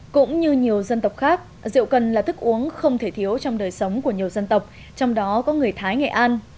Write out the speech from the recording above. cũng như nhiều dân tộc khác rượu cần là thức uống không thể thiếu trong đời sống của nhiều dân tộc trong đó có người thái nghệ an